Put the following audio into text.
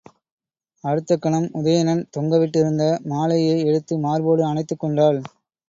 அடுத்த கணம் உதயணன் தொங்க விட்டிருந்த மாலையை எடுத்து மார்போடு அனைத்துக் கொண்டாள்.